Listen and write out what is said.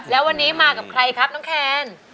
แล้ววันนี้มากับใครครับน้องแคน